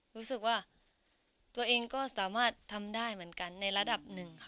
รู้สึกว่าตัวเองก็สามารถทำได้เหมือนกันในระดับหนึ่งค่ะ